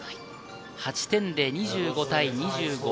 ８点で２５対２５。